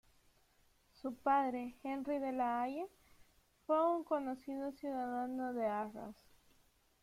Su padre, Henri de la Halle, fue un conocido ciudadano de Arras.